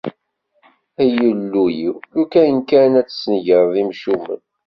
Ay Illu-iw, lukan kan ad tesnegreḍ imcumen!